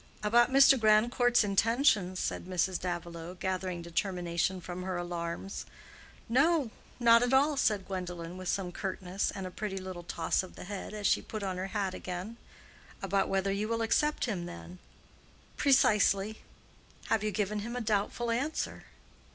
"About Mr. Grandcourt's intentions?" said Mrs. Davilow, gathering determination from her alarms. "No; not at all," said Gwendolen, with some curtness, and a pretty little toss of the head as she put on her hat again. "About whether you will accept him, then?" "Precisely." "Have you given him a doubtful answer?"